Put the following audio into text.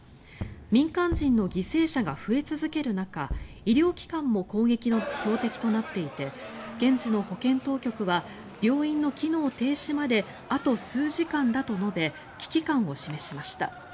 民間人の犠牲者が増え続ける中医療機関も攻撃の標的となっていて現地の保健当局は病院の機能停止まであと数時間だと述べ危機感を示しました。